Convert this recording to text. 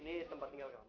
ini tempat tinggal kamu